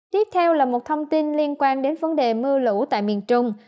tiếp theo là một thông tin liên quan đến vấn đề mưa lũ tại miền trung